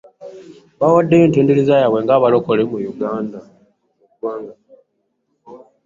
Bawaddeyo entendereza yaabwe ng'abalokole mu ggwanga